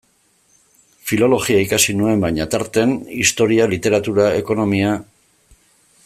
Filologia ikasi nuen, baina, tartean, historia, literatura, ekonomia...